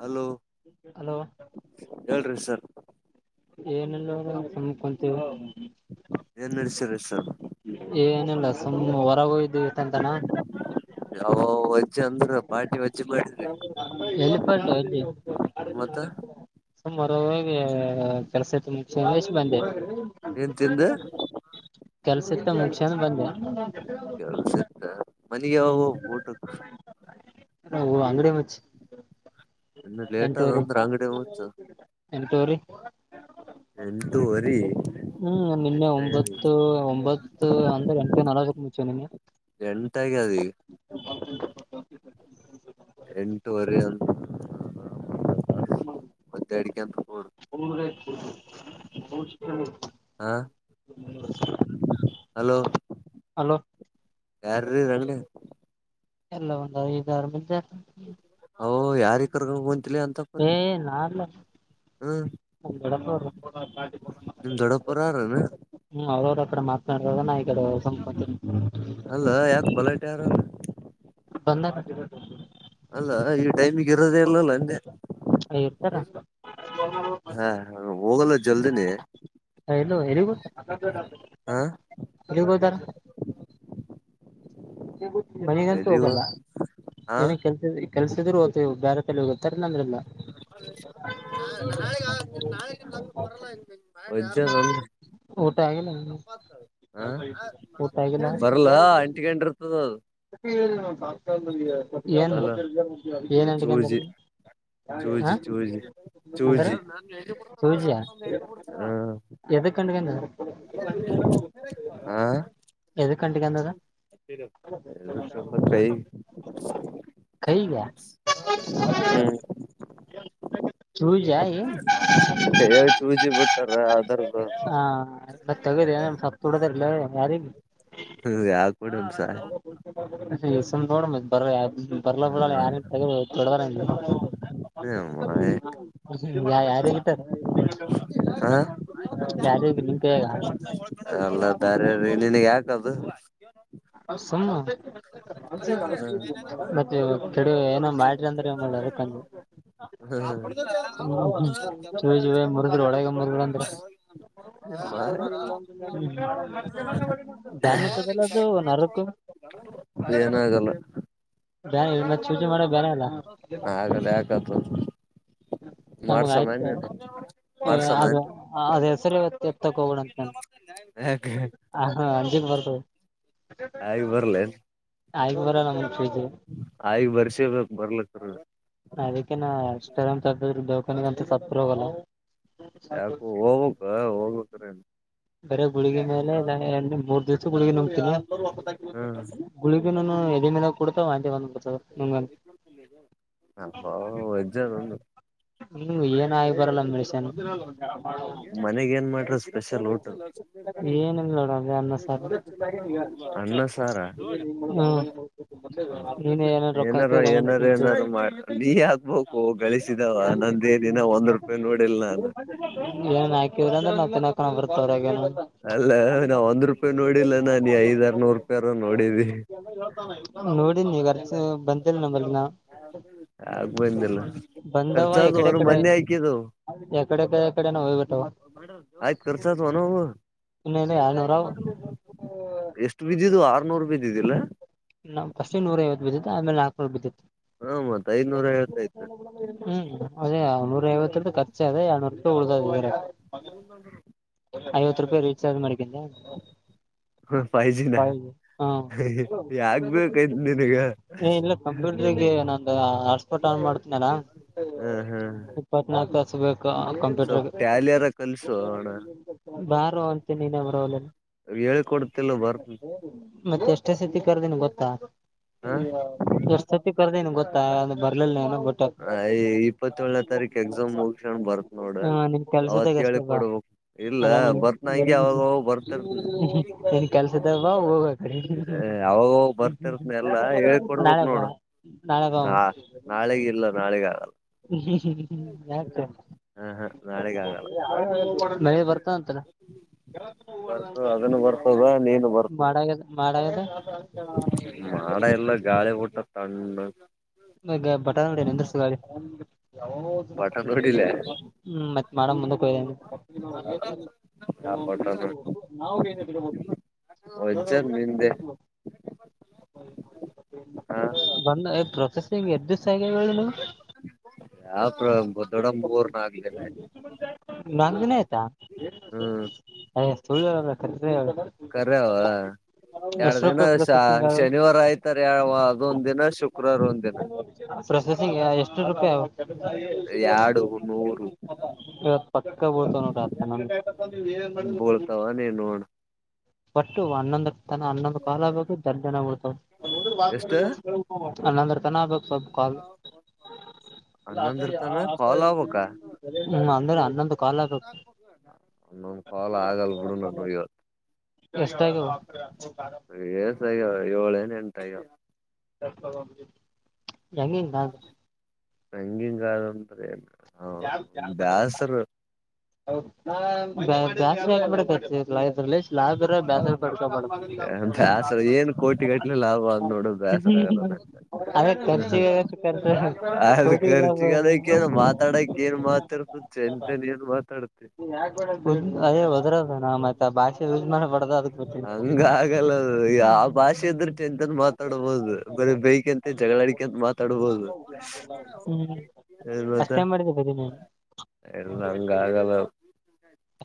hello hello ಹೇಳ್ರಿ sir ಏನೆಲ್ಲ ಚಕೊಂತೀ ನುಡ ಸರಷ ಏನಲ್ಲ ಸುಮ್ಮ ಹೊರಗೂ ಇದ್ದುಂತಾನ ಯಾವ ವಜೆ ಅಂದ್ರ ಪಾರ್ಟಿ ವಜ್ಜ ಎ ಬಡ್ ಅ ಮತ್ತ ಸ ಮರಾಗ ಕೆಲ್ಸ ತುಂಬ ಚೇಶ ಬಂದೆ [unintelligible] ಏನ್ ತಿಿಂದ ಕೆಲಸತ್ತಾ ಮುಗಿಸಿಕೊಂಡು ಬಂದೆ ಕೆಲಸತ್ತಾ ಮನೆಗೆ ಯಾವಾಗ ಹೋಗ್ಬೇಕು ಹ್ಮ್ ಊಟಕ್ಕೆ ಅಂಗಡಿ ಮುಚ್ಚಿ ಇನ್ನ ಲೇಟಾ ಎಂಟೂವರಿ ಅಂದ್ರ ಅಂಗಡ ಮುಚ್ಚು ಎಂಟೂವರಿ ಎಂಟು ವರಿ ಹ್ಮ್ ನಿನ್ನೆ ಒಂಬತ್ತು ಒಂಬತ್ತು ಅಂದ್ರೆ ಎಂಟ ನಕ ಚ್ಚಿದೀನಿ ಎಂಟಾಗ್ಯದ ಈಗ ಹ [inaudible] ಎಂಟುವರೆ ಒ [unintelligible] ಹ್ಮ್ ಕೊಡು [inaudible] ಒಬ್ಬೊಬ್ರೆ ಹ ಶ [unintelligible] ಹಾ [inaudible] ಹಲೋ ಅಲೋ ಯಾರ್ರಿ ರಂಗಡಿ ಎಲ್ಲ ಒಂದ ಐದಾರ ಮದ ಓ ಓ ಯಾರಕರ್ಗ ಏ ನಾಾನಲ್ಲ ಹ್ಮ [inaudible] ನಿಮ್ ದೊಡ್ಡಪ್ಪರ ಯಾರನ ಅವ ಅವ್ರ ಕಡೆ ಮಾತನಾಡೋದ ಅಲ್ಲ ಯಾಕ ಬಲಟ ಯಾರಲ್ಲ ಬಂದ ಕಟ್ಟ [unintelligible] ಅಲ್ಲ ಈ ಟೈಮಿಗೆ ಇರೋದೇ ಇಲ್ಲಲ್ಲ ಅಂದೆ ಇರ್ತಾರ ಹಾ ಹೋಗಲ್ಲ ಜಲ್ದಿನಿ ಎಲ್ಲಿಗೋತರ್ [unintelligible] ಯಲ್ಲಿಗ್ ಹೋದಾರ ಇ [unintelligible] ಮನಗಂತೂ ಎಲ್ಲಿವ ಹೋಗಲ್ಲ ಹಾ ಏನ ಕೆಲ್ಸ ಕೆಲ್ಸಿದ್ರರು ಹೋಯ್ತಿ ಬೇರೆ ಕಲ ಗೊತ್ತಾರಲ್ಲ ಅಂದ್ರಲ್ಲ ಅ ನಾಳ ನಾಳೆ ಅಂದ ಬರಲ್ಲ [inaudible] ಉಟಾ ಆಗಿಲ್ಲ ಹ [inaudible] ಊಟಗಿಲ್ಲ ಬರ್ಲ ಅಂಟಿಕೊಂಡಿರ್ತದ ಅದು ಏ ಏನ್ ಅಲ ಚೂಜಿ ಚೂಜಿ ಹ ಚೂಜಿ ಅಂದರು ಚೂಜಿ ಸೂಜ್ಯ ಹ ಎದಕ್ಕಂಡಗ ಹಾ ಹ ಕಟ್ಟಿಗೆಂಡದ ಕೈ ಕೈಗ್ಯಾ, ಹ್ಮ್ ಚೂಜ್ಯಾ ಏನ ಕೈಯಾಗ ಚೂಜಿ ಬಿಟ್ಟಾರ ಅದರ್ದು ಆ ಅದ ತಗದ್ಯಾ ಸಪ್ ತುಡದ್ರಿಲ್ಲೋ ಯಾರಿಗೆ [unintelligible] ಏಸಂದ ನೋಡ ಮತ್ ಬರ್ರಾ ಬರ್ಲ ಬಿಡಲ್ಲ ಯಾರ ತಗದ ತೊಡದಾರ [unintelligible] [unintelligible] ಯಾರಿಗಿಟ್ಟಾರ ಹ ಯಾರೀಗೆ ನಿನ್ನ ಕೈಯಾಗ ಅಲ್ಲ ಬೇರೆ ನಿನಗ್ ಯಾಕದು ಹ ಸುಮ್ ಹ್ಮ [unintelligible] ಕೆಡವಿ ಏನ್ರ ಮಾಡ್ರಿ ಅಂದ್ರ ಏನ್ ಮಾಡೋರು ಅದಕ್ಕಂದ ಹ್ಮ ಜ ಜ ಮುರುಗರು ಒಳಗೆ ಮುರುಗಳ ಅಂದ್ರ [unintelligible] ಬ್ಯಾನತ್ತದಲ್ಲ ಅದು ನರಕು ಏನಾಗಲ್ಲ ಬ್ಯಾ ಇಲ್ಲ ಮತ್ತೆ ಚೂಜಿ ಮಾಡೋವಾಗ ಬ್ಯಾನಿ ಆಗಲ್ಲ [unintelligible] ನಮಗ ಮಾಡ್ಸಮ್ಮ ಆಯ್ತ ನೀನು ಅ ಮಾಡ್ಸಮ್ಮ ಅದ ರ ಇವತ್ತ ಬಿತ್ತಾಕ್ ಹೋಗೋಣ ಅನ್ಕಂಡೆ ಆ ಹ ಅಂಜೀಕ ಬರ್ತ ಆಗಿ ಹ ಬರ್ಲೇನ್ ಆಯ್ ಊರಗೊಂದ್ ಪಿಜಿ ಆಯ್ಗ ಬರ್ಸಿರ್ಬೇಕು ಬರ್ಲಿಕ್ಕ ರ ಅದಕ್ಕೆನಾ ದವಾಖಾನಿಗಂತು ಸತ್ರು ಹೋಗಲ್ಲ ಯಾಕು ಹೋಗ್ಬೇಕ ಹೋಗ್ಬೇಕ್ರ ಬರೇ ಗುಳಗೀ ಮೇಲೆ ಮೂರ್ ದಿವ್ಸ ಗುಳಗೀ ನುಂಗ್ತನಿ ಹ್ಮ್ ಗುಳಗೀನು ಎದೆ ಮೇಲೆ ಕೂಡ್ತವ್ [unintelligible] ಹ್ಮ ಆಗಿ ಬರಲ್ಲ ಮೆಡಿಸಿನ್ ಮನೆಗ್ ಏನ್ ಮಾಡ್ರ ಸ್ಪೆಷಲ್ ಹೋಟಲ್ ನೋಡ ಅದೇ ಅನ್ನ ಸಾರು ಹ್ಮ್ ಅ್ಣ ಸಾರ ನೀನ್ ಏನೇನ್ ರೊಕ್ಕ ಏನಾರ ಹಾಕಿದ್ರ ಏನೇನ್ ಏನಏ ತಿಂತಿ ನೀ ಹಗ್ಬೇಕು ಗಳಿಸಿದಾವ ನ ನ್ ನಾಕ್ರಂದ್ರೆ ನಾ ಕ ಬರ್ತವ್ರ ಹಾಗ ಅಲ್ಲ ನಾವ ಒಂದ್ ರೂಪಾಯಿ ನೋಡಿಲ್ಲ ನ ನೀ ಐದ್ರ್ ನೂರು ರೂಪಾಯಿರ ನೋಡಿದಿ ಬಂತಿಲ್ಲ ನಮ್ಮಲ್ಲಿ ಆಗ್ ಬಂದಿಲ್ಲ ಬಂದವ ಖರ್ಚ ಅದು ಎಕಡೆ ಅವನು ಕಡೆ ಮೊನ್ನೆ ಆಯಕಿದ್ದ ಎಕಡೆ ಕಡೆ ಕಡೆನ ಹೋಗ್ಬಿಟ್ಟವ ರ್ಚತ್ವಾ ನಾವು ಇನ್ನೇನು ಎರಡ್ನೂರ ಎಷ್ಟು ಬಿದ್ದಿದ ಆರ್ನೂರು ರೂಪಿ ಇದ್ದಿದ್ದಿಲ್ಲ ನಾ್ಫಸ್ಟ್ ನೂರೈವತ್ತು ಬಿದ್ದು ಆೇಲೆ ಕೊಬ ಹ ಮತ್ ಐದ್ನೂರ ಐವತ್ತಯ್ತು ಹ್ಮ್ ಅದೇ ನೂರ ಐವತ್ತು ಕಚ್ಚ ಅದೆ ಯನೂರು ರೂ ಉಳು ಅ ಬೇರೆ ಐವತ್ತು ರೂಪಾಯಿ ರೀಚಾರ್ಜ್ ಮಾಡಕಿಂದ ಫೈವ್ ಜಿನ ಹ ಯಾಕ್ ಬೇಕೈತ್ ನಿನಗ ಏ ಇಲ್ಲ ಕಂಪ್ಯೂಟ್ರಗೆ ನಾನ ಪೋಟ ಮಾಡ್ ಇಪ್ಪತ್ನಾು ಸ ಸ್ವಲ್ ಟ್ಯಾಲಿಯಾರ ಕಲ್ಸುಣ್ಣ ಬಾರೋ ಅಂತ ನೀನೇ ಬರೋಲ್ಲ ಹೇಳ್ಕೊಡ್ತಿಲ್ಲ ಬರ್ತಿ ಪೆಸಿಕ್ ಕರ್ದಿನ ಗೊತ್ತಾ ಎ ಸತಿ ಕರ್ದೇನ್ಗೆ ಗೊತ್ತ ಬರ್ಲಿಲ್ಲ ಹ ಇಪ್ಪತ್ತಏೇಳನೇ ತಾರೀಕ ಎಕ್ಸಾಮ್ ಬಟ್ ಮುಗಸಣ್ ಬರ್ತ್ ನೋಡ್ರ ಹಾ ನಿನ್ ಕೆಲ್ಸದಾಗ ಅಷ್ಟೇ ಅವತ್ೇಳಿ ಬಾ ಕೊಡ್ಬೇಕ ಇಲ್ಲ ಅಲ್ಲ ನಿಮ್ ಬರ್ತ್ನ ಹಂಗೆ ಅವಾಗ ಬರ್ತರ್ತ ನಿನ್ ನಾಳಗ ನೋಡ ನಾಳಕ ನಾ ನಾಳೆಗ ಇಲ್ಲ ನಾಳೆಗ ಆಗಲ್ಲ ಹ್ಮ ಯಾ ಹ ಹ ನಾಳೆಗ ಆಗಲ್ಲ ಮಳೆ ಬರ್ತಂತಲ್ಲ ಬರ್ತ ಅದನ್ನು ಬರ್ತದ ನೀನು ಬರ್ತ ಮಾಡದ ಮಾಡ್ಯದ ಮಾಡ ಎಲ್ಲ ಗಾಳಿ ಊಟ್ಟ ತಂಡ ಮ ಬಟಡಂದ್ರ ಬಟನ್ ನೋಡಿಲ್ಲ ಮತ್ತಮ್ ಮುಂದ ಆ ಹ ಒಜ್ಜನ್ ನಿಂದೆ ಹ ಹ ಬಂದ ಕಸಗೆ್ದುಸಾಯಗ ಹೇಳಳ ನ ಯಾವ ಪ್ರ ಗೊ ದೊಡ ಮೂರ್ ನ ಆಾಗ್ದೇನೆ ನಂದಿನೇ ಆಯ್ತಾ ಹೇಳ ಅಯ ಸುಳ್ಳುರಬೇಕೆ ಕರವ ಎರ ಎಷ್ಟ್ ದಿನ ರೂಪಾಯಿ ಶ ಪ್ರೊಸೆಸಿಂಗ್ ಆಗ ಶನಿವಾರ ಆಯ್ತಾರ ಅದೊಂದ ದಿನ ಶುಕ್ರವಾರ ಒಂದ್ ದಿನ ಸ ಎಷ್ಟು ಎರಡು ನೂರು ಪಕ್ಕ ಬತಾ ಬೀಳ್ತಾವ ನೀನ್ ನೋಡ್ ಒಟ್ಟು ಹನ್ನೊಂದು ತಾನ ಹನ್ನೊಂದಂದು ಕಾಲ ಬೇಕು ದಡ್ ಜನ ಬಿಡ್ತವ ಎಷ್ಟ ಅಲ್ಲಂದ್ರ ಚ ಸ ಕಾಲ ಅ ಹನ್ನೊಂದರ ತನ ಕಾಲ್ ನ ಒನ್ನೊಂದ ಕಾಲ ಆಗಲ್ ಬಿಡು ನಾನ ಎಷ್ಟಾಗ್ಯವ ಇವತ್ತುಸ ಏಳ ನ್ ಉಂಟ ಎ ಹೆಂಗಿಲ್ಲ ಅದು ಂದ್ರೆ ತಾರ ಚಾರ ಮ ಸ ಜಾಸ್ತಿ ಅದ್ರಷ್ಟ ಲಾಭ ಇರ ಬೇಸರ್ ಪಡ್ಕೊಬ ಬ್ಯಾಸರ ಏನ್ ಕೋಟಿ ಗಟ್ಲೆ ಲಾಭ ಅದ್ ನೋಡು ಬ್ಯಾಸರ ಆಗಲ್ಲ ನಂಗ ಅೇ ಖರ್ಚಿಗೆರ್ ಅದ್ ಕೋಟ ಲಾಭ ಖರ್ಚಿಗದಕ್ಕ ಏನ್ ಮಾತಾಡಕ್ ಏನ್ ಮಾತಾಡ್ಬುದು ಚ ಎಂತಾನ ಏನ್ ಮಾತಾಡ್ ಅದೇ ಹೊದ್ರದು ನ ಮತ್ತ ಭಾಷೆ ಯೂಸ್ ಮಾಡಬಾರ್ದು ಅದಕ್ ಬಿಟ್ಟಿನಿ ಹಂಗಗಲ್ಲದು ಯಾವ ಭಾಷೆ ಇದ್ರ ಚಂತನ್ ಮಾತಾಡ್ಬೋುದು ಬರ ಬೈೇಕಂತ ಜಗಳ ಅಡಿಕಂತ ಮಾತಾಡ್ಬೋುದು ಹ್ಮ್ ಮ ಅಷ್ಟೇ ಮಾಡಿದ್ದೆ ಬರಿ ನೀನ್ ಎಲ್ಲ ಹಂಗಲ್ಲ ಹಲ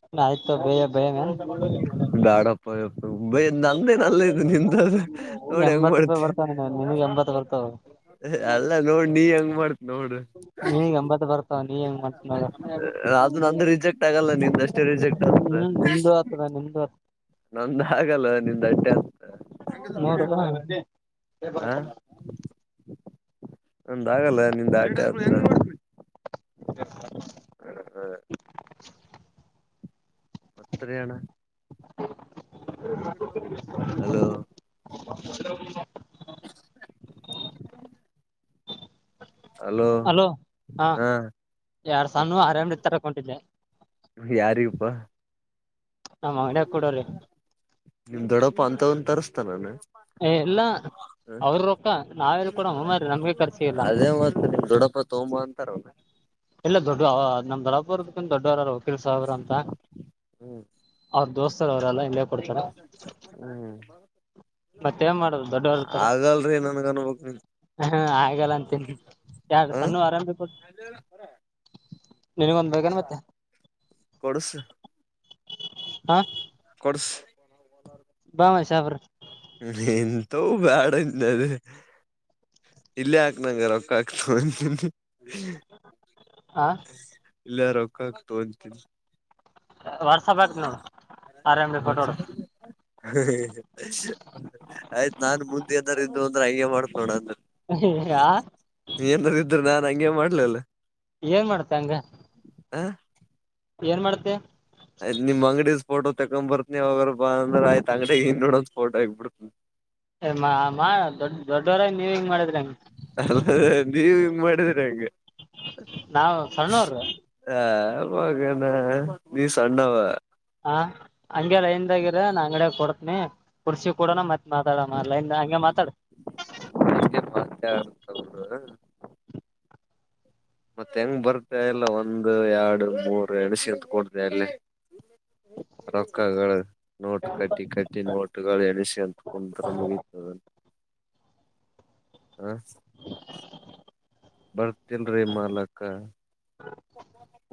ಅಷ್ಟ ಆಯ್ತು ಬೇಯ ಬಯ ಮೇನ್ ಬಾಡಪ್ಪ ಬಯ ನಂದೇ ನಲ್ಲ ಇು ನಿಂತ ನೋಡಿ ಹಂಗ ಎಂಬತ್ ರೂಪಾಯಿ ಮಾಡ್ತವಿ ಬರ್ತಾವ ನಿನಗ್ ಎಂಬತ್ ಬರ್ತಾವ ಅಲ್ಲ ನೋಡ್ ನೀ ಹೆಂಗ್ ಮಾಡ್ತ್ ನೋಡ ನಿನಗ್ ಎಂಬತ್ ಬರ್ತಾವ ನೀ ಹೆಂಗ್ ಮಾಡ್ತಿ ನೋಡ ಅದು ನಂದು ರಿಜೆಕ್ಟ್ ಆಗಲ್ಲ ನಿಂದಷ್ಟೇ ರಿಜೆಕ್ಟ್ ಆತ ಹ್ಮ್ ನಿಮ್ದು ಆತದ ನಿಮ್ದು ನಂದ ಆಗಲ್ಲವಾ ನಿಂದ ಆಯ್ತು ಹ [unintelligible] ನಂದ ಆಗಲ್ಲ ನಿಂದ ಆಯ್ತುದು- ಹ್ಮ ಹ್ಮ ಆಯ್ತ್ ರಿ ಅಣ್ಣ ಹಲೋ [unintelligible] [unintelligible] ಹಲೋ ಹಾ ಎರಡ್ ಸನ್ನುವ ಆರ್ ಎಂ ಡಿ ತಾರಕ ಹೊಂಟಿದೆ ಯಾರಿಗಪಾ [unintelligible] ನಿಮ್ ದೊಡ್ಡಪ್ಪ ಅಂತ ಒಂದ ತರಾಸ್ತಾನ ಏನ್ ಇಲ್ಲ ಹ ಅವ್ರ ರೊಕ್ಕ ನಾವೆಲ್ಲಿ ಕೊಡಮ್ಮ ಮಾರಾಯ ನಮ್ಗೆ ಖರ್ಚಿಗಿಲ್ಲ ಅದೇ ಮತ್ತ ನಿಮ್ಮ ದೊಡ್ಡಪ್ಪ ತೊಗೊಂಡ ಬಾ ಅಂತಾರಲ್ಲ ಇಲ್ಲಾ ದುಡ್ಡು ನಮ್ಮ ದೊಡ್ಡಅವರದು ದೊಡ್ಡವಅವರು ವಕೀಲ್ ಸಾಬರ ಅಂತ ಅವರು ದೋಸ್ತರ ಅವರಲ್ಲ ಇಲ್ಲೆ ಕುಡ್ತಾರ್ ಮತ್ತೇನ್ ಮಾಡುದು ದೊಡ್ಡವರ ಇರ್ತಾರ ಆಗಲ್ರಿ ನನ್ಗ ಅನ್ಬಕ್ ನೀ ಹ ಆಗಲ್ಲ ಅಂತಿ ಎಡ್ಡ ಹ ಸನ್ನುವ ಆರ್ ಎಂ ಡಿ ಕೊಡ್ರಿ ಕೊಡ್ಸ ಹಾ ಕೊಡ್ಸ ಹಾ ಸಾಬ್ರ ಬೇಡದು ಇಲ್ಲೇ ಹಾಕ್ನಂಗ ರೊಕ್ಕ ಹಾಕ್ [unintelligible] ಹ [unintelligible] ಇಲ್ಲ ರೊಕ್ಕಕ್ ತೊಗೊಂತಿನಿ ವಾಟ್ಸಪ್ ಹಾಕ್ ನೋಡು ಆರಾಮಿ ಫೋಟೋ ಆಯ್ತ್ ನಾನು ಮುಂದೆ ಏನಾರ ಇದು ಒಂದು ಹಂಗೆ ಮಾಡುತ್ತ ನೋಡ್ ಆ ಅದು ಏನರ ಇದ್ರನಾ ಹಂಗೆ ಮಾಡ್ಲಲ್ಲ ಏನ್ ಮಾಡ್ತ ಹಂಗ ಹ ಏನ್ ಮಾಡತ್ತೆ ಆಯ್ತ್ ನಿಮ್ ಅಂಗಡಿದ್ ಫೋಟೋ ತಕೊಂಡ್ ಬರ್ತನಿ ಅವಗರ ಬಾ ಅಂದ್ರ ಆಯ್ತ ಅಂಗಡಿಯಾಗಿಂದ ನೋಡೋಂದ್ ಫೋಟೋ ಆಗಬಿಡ್ತನಿ ದೊಡ ದೊಡ್ಡ ಆಗಿ ನೀವ್ ಹಿಂಗ್ ಮಾಡಿದ್ರ ಹೆಂಗೆ ಅದ ನೀವ್ ಹಿಂಗ ಮಾಡಿದ್ರಿ ಹಂಗ ನಾಾವ ಸಣ್ಣವರು ಯಾರ ಮಾಡನ ನೀ ಸಣ್ಣಾವ ಹಾ ಹಂಗೆ ಲೈನ್ದಾಗರ ನಾ ಅಂಗಡಡೆ ಕೊಡ್ ಕುಡ್ಸಿ ಕೂಡನ ಮತ್ ಮಾತಾಡಮ್ಮ ಲೈನ್ ಹಂಗಗೆ ಮಾತಾಡ ಮತ್ತ ಮತ್ತೆ ಹೆಂಗ್ ಬರ್ತ ಎಲ್ಲ ಒಂದು ಎರಡು ಮೂರ್ ಎಂಡಶಿತ್ ಕೊಡ್ತ ಅಲ್ಲಿ ರೊಕ್ಕಾಗ ನೋಟ್ ಕಟ್ಟಿ ಕಟ್ಟಿ ನೋಟಗಳು ಎಳಿಸಿಿ ಅಂತಕೊಂಡ ಮುಗತವನು ಹ ಬರ್ ಹಟಲ್ ರರಿ ಮಾಲಕ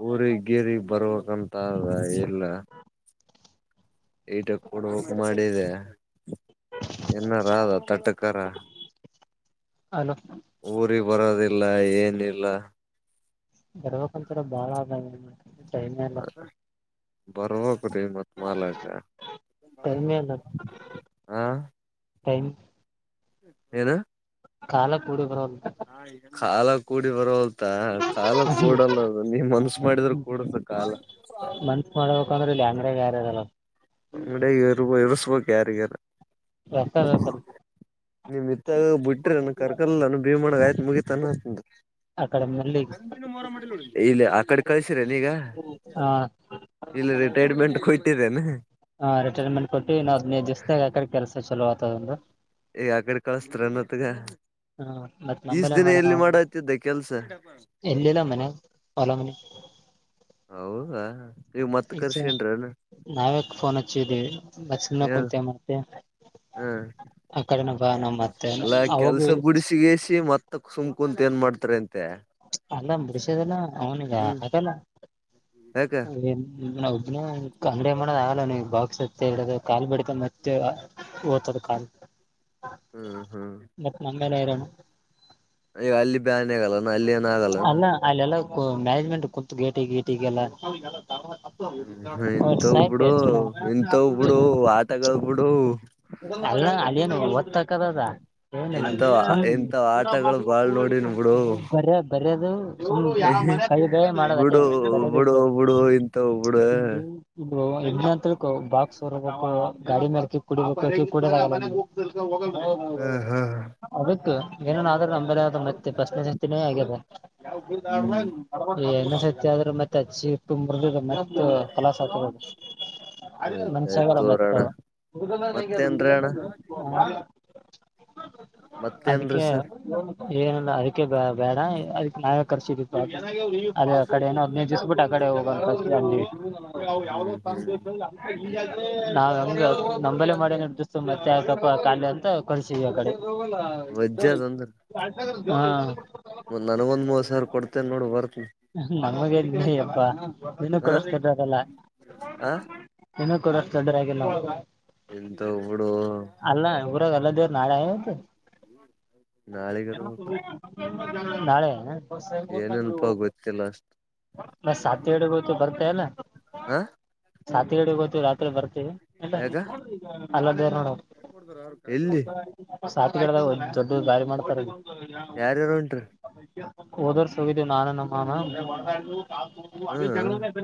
ಊರ ಗೇರಿ ಬರ್ಬೇಕಂತ ಇಲ್ಲ ಈಟ ಕೊಡಕ್ ಮಾಡಿದೆ ಹಾ ನ ರಧ ತಟಕರ ಅಲೋ ಊರಿ ಬರೋದಿಲ್ಲ ಏನಿಲ್ಲ ಗರ್ವಕ್ಕೊಂತರ ಬಾಳ ಆ ೈಮ ಅಲ್ಲ ಬರೋ ಮ್ಮತ್ ಮ ಅಲ್ಲ ಟೈಮೇ ಹಾ ಹನ್ ಏನು ಕಾಲ ಕೂಡಿ ಬರೋಲ್ಲ ಾ ಈಗ ಕಾಲ ಕೂಡಿ ಬರೋ ಮತ್ತ ಕಾಲ ಕೂಡಲ್ಲ ಅದು ನೀವ್ ಮನ್ಸ ಮಾಡಿದ್ರೆ ಕೂಡಸ ಕಾಲ ಹಕಂದ್ರ ಇ ಅಂದ್ರೆ ಯಾರಲ್ಲ ಅಂಗಡ ಇರು ಇಸ್ಬೇಕ ಕ್ಯಾರಿಯರ್ ರೊಕ್ಕ ಬೇಕಲ್ಲ ನಿಮ್ ಇತ್ತಾಗ ಬಿಟ್ರಿ ನಾನ ಕರ್ಕಲಾನ ಭೀಮಣ ಆಯ್ತ ಮುಗತಾನ ಹಕ ಆ ಕಡೆ ನಲ್ಲಿ ಇಲ್ಲಿ ಆ ಕಡೆ ಕಳ್ಸಿರ ನೀಗ ಆ ಇಲ್ಲ ರಿಟೈರ್ಮೆಂಟ್ ಕುಯ್ತರ ಅ ಹಾ್ ರಿಟೈರ್ಮೆಂಟ್ ಕೊಟ್ಟ ನವುದ್ೇ ದಿಸಸ್ತಿಾಗ ಹಾಕ್ರ ಕೆಲಸ ಚಲೋ ಆತ ಂದ್ರೆ ಈಗ ಆ ಕಡೆ ಕಳಸ್ತರನ್ತ್ಗ ಹಾ ಮತ್ತ ನಂಬಲ್ಲ ಮಾಡ ಅವ ಕೆಲ್ಸ ಎಲ್ಲಿಲ್ಲ ಮನೆ ಹೊಲ ಮನೆ ಹೌದಾ ಈಗ ಮತ್ ಈಸ ಕರ್ಸ್ಕೊಂಡ್ರನ್ ನಾವೇಕ್ ಫೋನ್ ಹಚ್ಚಿದ್ದೀವಿ ಮಸಿನ ಹೇಳ ಕುಂತ ಮತ್ತೆ ಆ ಕಡೆನ ಬ ನ ಮ ಎಲ್ಲಾ ಕೆಲ್ಸ ಬುಡಸಿಗಸಿ ಮತ್ತ ಸುಂಕ ಕುಂತ ಏನ್ ಮಾಡ್ತಾರೆ ಅಂತ ಅಲ್ಲ ಮುಡಸದಲ್ಲ ಅವನಿಗ ಹ್ಮ್ ಹಾಗಲ್ಲ ಯಾಕ ಒಬ್ಬನ ಅಂಗಡಿ ಮಾಡೋದ ಆಗಲ್ಲ ನೀ ಬಾಕ್ಸ್ತ್ತ ಹೇಳದ ಕಾಲ್ ಬಿಡತ ಮತ್ತೆ ಓ್ತದ ಕಾಲ್ ಹ್ಮ್ ಹ್ಮ್ ಹಂಗನರ ಅಯ್ಯ ಅಲ್ಲಿ ಬಾನ ಆಗಲ್ಲ ಅಲ್ಲಿ ಏನ ಆಗಲ್ಲ ಅಲ್ಲ ಅಲ್ಲೆಲ್ಲ ಮ್ಯಾನೇಜ್ಮೆಂಟ್ ಕುತ್ು ಗೇಟಿ ಗೇಟಿಗೆಲ್ಲ ಹ ಎಂತ ಸಾಯ್ತು ಒಬ್ಬಿಡು ಎಷ್ಟ ಜನ ಎಂತ ಒಬ್ಬಡು ಆಟಗಳು ಬಿಿಡು ಅ ಅಲ್ಲಿನು ಓದ್ತಕದದ ಇಂಥ ಇಂಥ ಆಟಗಳು ಬಾಳ್ ನೋಡಿನ್ ಬಿಡು ಬರಿ ಅರ ಅದು ಕೈ ಬೇ ಮಾಡದೆ ಬಿಡು ಬಿಡು ಬರದದು ಬಿಡು ಇಂಥವ್ ಬಿಡು ಇಲ್ಲಿ ಇ ಎತ್ ಬಾಕ್ಸ್ ಗಾಡಿ ಮೇಲ್ಕ ಕುಡ ಕೂಡ ಹೌದೌದೌ ಹಾ ಹಾ ಅದಕ್ಕೆ ಏನೇನಾದ ಆದ್ರೂ ನಂಬೇಲೆ ಮತ್ತೆ ಪ್ರಶ್ನೆ ಸತಿನೇ ಆಗಲ್ಲ ಹ್ಮ್ ಯಾವಬ ಸತ್ಯ ಆದ್ರೆ ಮತ್ತೆ ಅಚ್ಚಿ ತುಂಬ್ರದ ಮತ್ತೆ ಕಲಾ ಮಸ ಆಯ್ತಾಯ್ತು ತೋರಿ ಅಣ್ಣ ಮವ ಹದ ನಗೆ ಮತ್ತೇನ್ರೀ ಅಣ್ಣ ಮತ್ತೇನ್ರೀ ಅದಕ್ಕೆ ಸರ್ ಏನ ಅದಕ್ಕೆ ಬ ಬೇಡ ಅದಕ್ ನಾವೇ ಕರ್ಸಿತ್ತು ಅದೇ ಆ ಕಡೆ ಏನ ನಜಿಸ್ಬಿಟ್ಟ ಆ ಕಡೆ ಹೋಗ ಹ್ಮ್ ಹ್ಮ್ ನಾವ ಹೆಂಗ ನಂಬಲೆ ಮಾಡಿ ನಿರ್ದಿಸ್ತು ಮತ್ತೆ ಆಕಪ ಖಾಲಿ ಅಂತ ಕಸಗಡೆ ಹೋಗಲ್ಲ ವಜ್ಜಿ ಅದ ಅಂದ್ರ ಹಾ ನನಗೊಂದ್ ಮೂವತ್ ಸಾವಿರ ಕೊಡ್ತೇನ್ ನೋಡು ಬರ್ತನಿ ನಮಗೆ ಅಬ ಇನ್ನು ಹ ಕೊಡಸ್ತದಲ್ಲ ಆ ತಡ್ರಾಗ ಎಲ್ಲ ಎಂತ ಹಡು ಅಲ್ಲ ದವ ನಾಡೆ ಆತ ನ ನಾಳಿಗಿರ್ಬೇಕು ಸ ನಾಳೆ ಏನೇನಪಾ ಗೊತ್ತಿಲ್ಲ ಅಷ್ಟ ನ ಸಾತಿ ಅಗ ಬರ್ತಲ್ಲ ಹ ಸಾ ಕಡೆ ರಾತ್ರಿ ಬರ್ತೀವಿ ಯಾಕ ಅಲ್ಲದೇ ನೋಡಮ್ ಎಲ್ಲಿ ಸಾ ಕಡದಾವ ಹ ದೊಡ್ಡ ದಾರಿ ಮಾಡ್ತಾರೆ ಯಾರ್ಯಾರು ಉಂಟ್ರಿ ಹಓೋದೋರ್ಸೋಗಿದ್ದ ನಾನ ನ ಮಾ ಹ ಅ ಹಾ ಜ